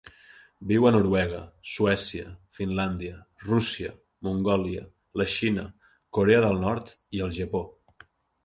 Viu a Noruega, Suècia, Finlàndia, Rússia, Mongòlia, la Xina, Corea del Nord i el Japó.